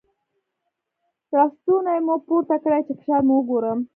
ړستونی مو پورته کړی چې فشار مو وګورم.